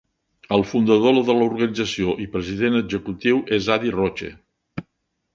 El fundador de l'organització i president executiu és Adi Roche.